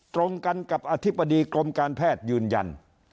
ตรงกันกับอธิบดีกรมการแพทย์ยืนยัน